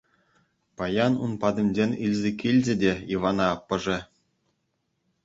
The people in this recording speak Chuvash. Паян ун патӗнчен илсе килчӗ те Ивана аппӑшӗ.